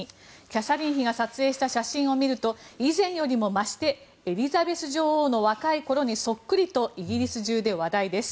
キャサリン妃が撮影した写真を見ると、以前にも増してエリザベス女王の若い頃にそっくりとイギリス中で話題です。